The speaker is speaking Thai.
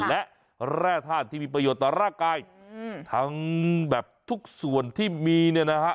และแร่ธาตุที่มีประโยชน์ต่อร่างกายทั้งแบบทุกส่วนที่มีเนี่ยนะฮะ